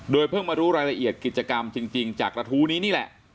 เพิ่งมารู้รายละเอียดกิจกรรมจริงจากกระทู้นี้นี่แหละ